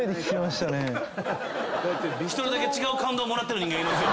１人だけ違う感動もらってる人間がいますよ。